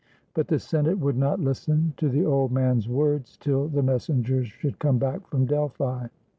But the Senate would not listen to the old man's words, till the messengers should come back from Delphi.